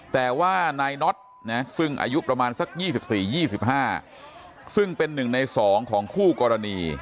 แต่ว่านายน็อตซึ่งอายุประมาณสัก๒๔๒๕ซึ่งเป็น๑ใน๒ของคู่กรณี